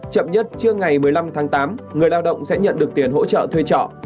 chậm nhất trước ngày một mươi năm tháng tám người lao động sẽ nhận được tiền hỗ trợ thuê trọ